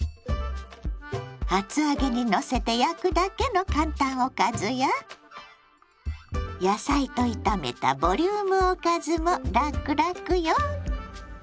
厚揚げにのせて焼くだけの簡単おかずや野菜と炒めたボリュームおかずもラクラクよ！